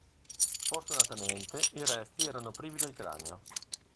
Sfortunatamente i resti erano privi del cranio.